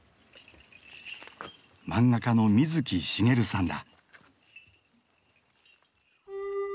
漫画家の水木しげるさんだ。